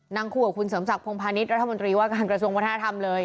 นางคู่กับคุณเสวงศักดิ์พรงพาณิชย์รัฐบันดีวัฒนธรรมการกระทรวงบัฏธรรรมเลย